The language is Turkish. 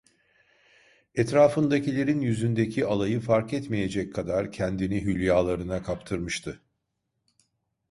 Etrafındakilerin yüzündeki alayı fark etmeyecek kadar kendini hülyalarına kaptırmıştı…